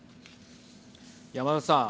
山田さん。